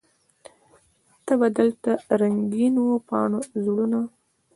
ته به دلته د رنګینو پاڼو زړونه